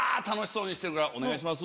お願いします！